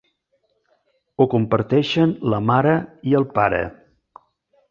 Ho comparteixen la mare i el pare.